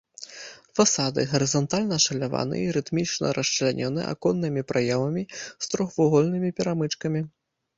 Фасады гарызантальна ашаляваны і рытмічна расчлянёны аконнымі праёмамі з трохвугольнымі перамычкамі.